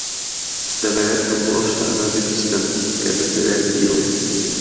دەمەوێت هەموو ئەو شتانە ببیستم کە دەتەوێت بیڵێیت.